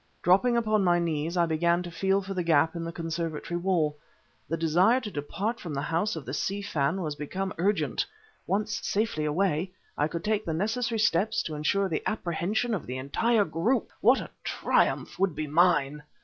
Dropping upon my knees, I began to feel for the gap in the conservatory wall. The desire to depart from the house of the Si Fan was become urgent. Once safely away, I could take the necessary steps to ensure the apprehension of the entire group. What a triumph would be mine!